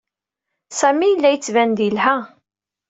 Sami yella yettban-d yelha.